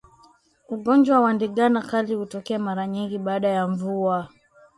Ugonjwa wa ndigana kali hutokea mara nyingi baada ya mvua